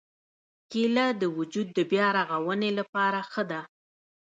کېله د وجود د بیا رغونې لپاره ښه ده.